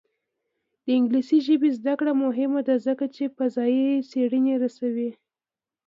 د انګلیسي ژبې زده کړه مهمه ده ځکه چې فضايي څېړنې رسوي.